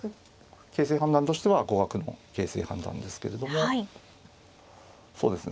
形勢判断としては互角の形勢判断ですけれどもそうですね